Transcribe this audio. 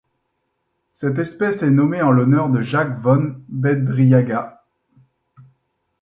Cette espèce est nommée en l'honneur de Jacques von Bedriaga.